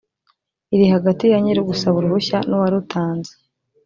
iri hagati ya nyir’ugusaba uruhushya n’uwarutanze